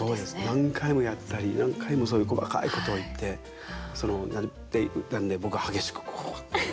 何回もやったり何回もそういう細かいことを言ってなんで僕激しくこう。